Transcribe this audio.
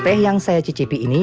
teh yang saya cicipi ini